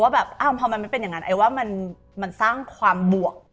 แบบพอมันไม่เป็นอย่างนั้นไอ้ว่ามันสร้างความบวก